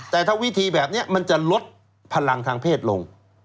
แต่ถ้าวิธีแบบนี้มันจะลดพลังทางเพศลง